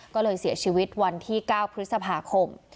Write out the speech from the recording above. ก็เลยเสียชีวิตวันที่๙พฤษภาคม